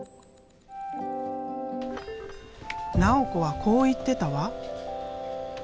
直子はこう言ってたわ。